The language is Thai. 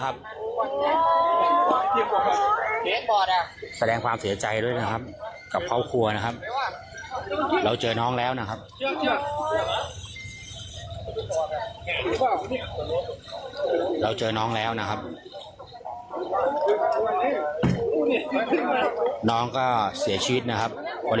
บ่อบัดน้ำเสียแห่งนี้นะครับ